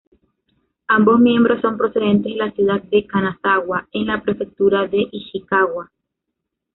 Ambos miembros son procedentes de la ciudad de Kanazawa en la prefectura de Ishikawa.